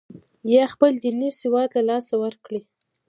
یا خپل دیني سواد له لاسه ورکړي.